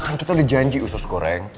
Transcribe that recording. kan kita udah janji usus goreng